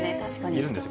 いるんです。